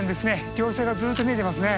稜線がずっと見えてますね。